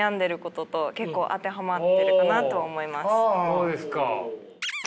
そうですか。